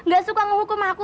gak suka ngehukum aku